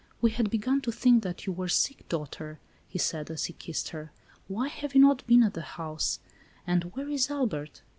"We had begun to think that you were sick, daughter," he said, as he kissed her. "Why have you not been at the house; and where is Albert